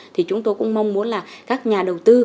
thì chúng tôi cũng mong muốn là các nhà đầu tư